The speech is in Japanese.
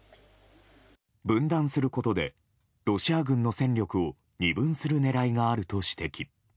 分断することでロシア軍の戦力を二分する狙いがあると指摘。